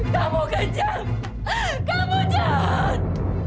kamu kejam kamu jahat